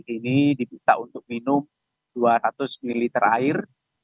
ini dibuka untuk minum dua ratus ml air